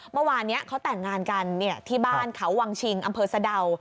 เมื่อวานนี้เขาแต่งงานกันที่บ้านเขาวังชิงอำเภอสะดาว